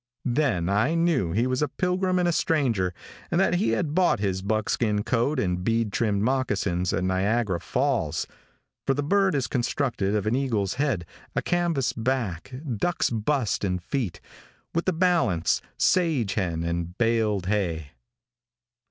Then I knew that he was a pilgrim and a stranger, and that he had bought his buckskin coat and bead trimmed moccasins at Niagara Falls, for the bird is constructed of an eagle's head, a canvas back duck's bust and feet, with the balance sage hen and baled hay.